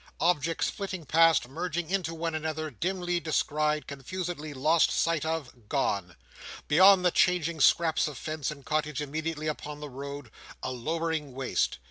Objects flitting past, merging into one another, dimly descried, confusedly lost sight of, gone! Beyond the changing scraps of fence and cottage immediately upon the road, a lowering waste.